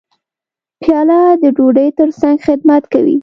پیاله د ډوډۍ ترڅنګ خدمت کوي.